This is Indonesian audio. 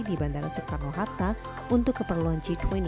di bandara soekarno hatta untuk keperluan g dua puluh